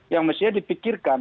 yang mestinya dipikirkan